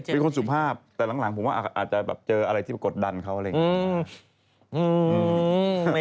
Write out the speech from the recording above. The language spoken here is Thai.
เป็นคนสุภาพแต่หลังผมว่าอาจจะแบบเจออะไรที่ปรากฏดันเขาอะไรอย่างนี้